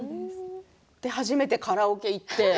初めてカラオケに行って。